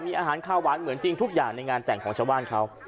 มีอาหารข้าวหวานเหมือนจริงทุกอย่างในงานแต่งของชาวบ้านเขา